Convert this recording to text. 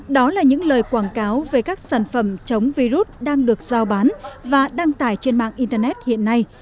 đó là những lời quảng cáo về các sản phẩm chống virus đang được giao bán và đăng tải trên mạng internet hiện nay